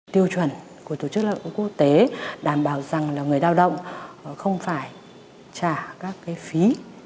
tiêu chuẩn của tổ chức lao động quốc tế đảm bảo rằng là người lao động không phải trả các cái phí